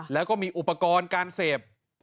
แล้วก็มีอุปกรณ์การเสพ